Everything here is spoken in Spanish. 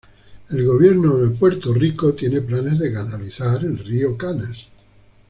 El gobierno de Puerto Rico tiene planes de canalizar el Río Canas.